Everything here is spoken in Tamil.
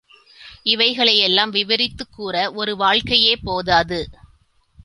இவைகளை யெல்லாம் விவரித்துக் கூற ஒரு வாழ்க்கையே போதாது.